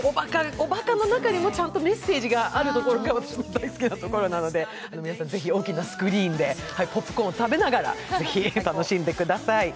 おばかの中にもちゃんとメッセージがあるところが私の大好きなところなので、皆さんぜひ大きなスクリーンでポップコーンを食べながらぜひ楽しんでください。